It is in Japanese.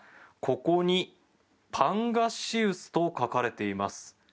ここにパンガシウスと書かれています。